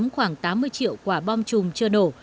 để giúp lào tìm kiếm khoảng tám mươi triệu quả bom chùm chưa nổ